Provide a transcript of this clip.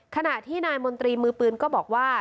ขณะที่นายมนตรีมือปืนก็บอกว่า